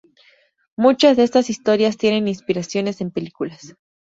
Muchas de estas historias tienen inspiraciones en películas.